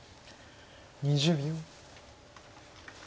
２０秒。